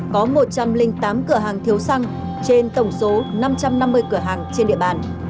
có một trăm linh tám cửa hàng thiếu xăng trên tổng số năm trăm năm mươi cửa hàng trên địa bàn